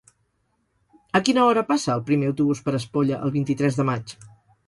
A quina hora passa el primer autobús per Espolla el vint-i-tres de maig?